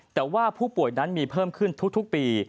แต่ว่าผู้ป่วยนั้นมีเพิ่มขึ้นทุกปี